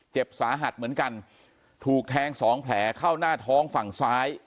เจ็บสาหัสเหมือนกันถูกแทงสองแผลเข้าหน้าท้องฝั่งซ้าย